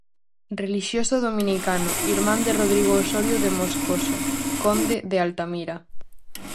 Relixioso dominicano, irmán de Rodrigo Osorio de Moscoso, conde de Altamira.